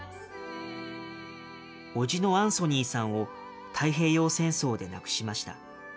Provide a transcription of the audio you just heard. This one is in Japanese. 伯父のアンソニーさんを太平洋戦争で亡くしました。